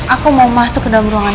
aku mau masuk ke dalam ruangan